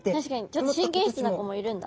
ちょっと神経質な子もいるんだ。